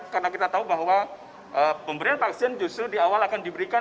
karena kita tahu bahwa pemberian vaksin justru di awal akan diberikan